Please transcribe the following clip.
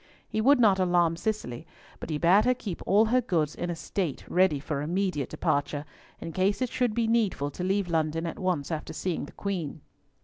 He would not alarm Cicely, but he bade her keep all her goods in a state ready for immediate departure, in case it should be needful to leave London at once after seeing the Queen.